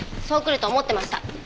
そう来ると思ってました。